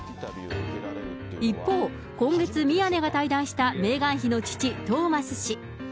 一方、今月、宮根が対談したメーガン妃の父、トーマス氏。